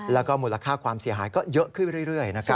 แล้วก็มูลค่าความเสียหายก็เยอะขึ้นเรื่อยนะครับ